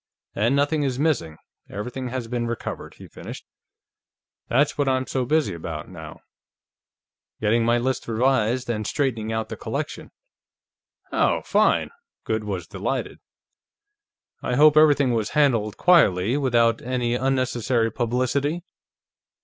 And nothing is missing; everything has been recovered," he finished. "That's what I'm so busy about, now; getting my list revised, and straightening out the collection." "Oh, fine!" Goode was delighted. "I hope everything was handled quietly, without any unnecessary publicity?